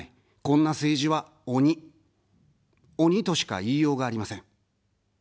こんな政治は鬼、鬼としか言いようがありません。